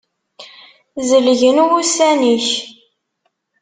Zelgen wussan-ik.